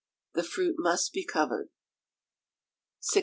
The fruit must be covered. 1638.